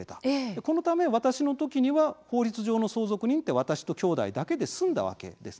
このため私の時には法律上の相続人って、私ときょうだいだけで済んだわけです。